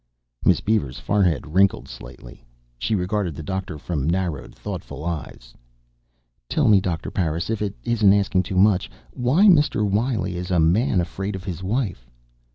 Miss Beaver's forehead wrinkled slightly. She regarded the doctor from narrowed, thoughtful eyes. "Tell me, Doctor Parris, if it isn't asking too much, why Mr. Wiley is a Man Afraid of his Wife?"